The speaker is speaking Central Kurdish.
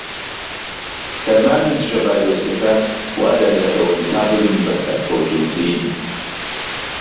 دەرمانی دژە ڤایرۆسیەکان وادەردەکەون تا ببن بە سەرکەوتووترین.